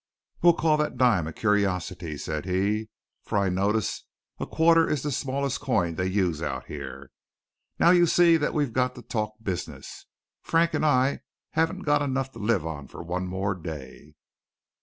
"We'll call that dime a curiosity," said he, "for I notice a quarter is the smallest coin they use out here. Now you see that we've got to talk business. Frank and I haven't got enough to live on for one more day."